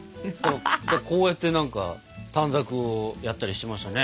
こうやってなんか短冊をやったりしてましたね。